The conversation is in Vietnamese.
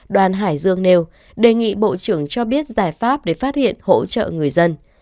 đoàn hải dương nêu đề nghị bộ trưởng cho biết giải pháp để phát hiện hỗ trợ người dân